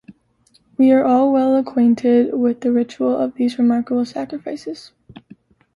We are well acquainted with the ritual of these remarkable sacrifices.